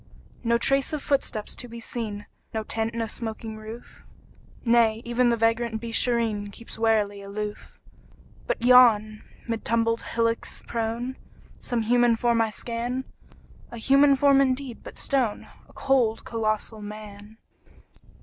No trace of footsteps to be seen, No tent, no smoking roof; Nay, even the vagrant Beeshareen Keeps warily aloof. But yon, mid tumbled hillocks prone, Some human form I scan A human form, indeed, but stone: A cold, colossal Man!